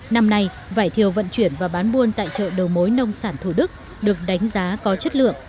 năm nay vải thiều vận chuyển và bán buôn tại chợ đầu mối nông sản thủ đức được đánh giá có chất lượng